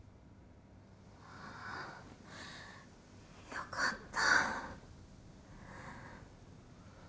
よかった。